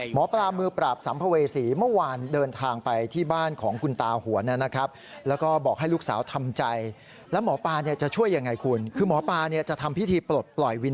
หมอปลามือปราบสัมภเวษีเมื่อวานเดินทางไปที่บ้านของคุณตาหวนนะครับ